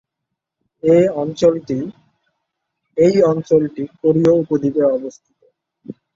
এই অঞ্চলটি কোরীয় উপদ্বীপে অবস্থিত।